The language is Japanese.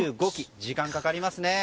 時間がかかりますね。